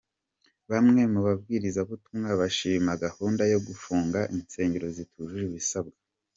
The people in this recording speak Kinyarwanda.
Bamwe mu bawiriza butumwa bashima gahunda yo gufunga insengero zitujuje ibisabwa.